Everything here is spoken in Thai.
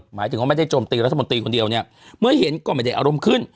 หมายถึงว่าไม่ได้โจมตีรัฐมนตรีคนเดียวเนี่ยเมื่อเห็นก็ไม่ได้อารมณ์ขึ้น